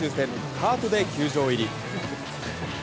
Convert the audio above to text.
カートで球場入り。